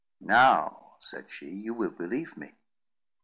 "Now," said she, "you will believe me."